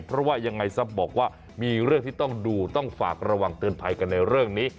เพราะว่ายังไงซะบอกว่ามีเรื่องที่ต้องดูต้องฝากระวังเตือนภัยกันในเรื่องนี้